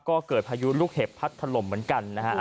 ก็เกิดพายุลูกเห็บพัดถล่มเหมือนกันนะฮะ